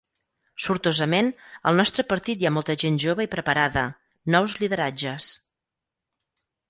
Sortosament, al nostre partit hi ha molta gent jove i preparada, nous lideratges.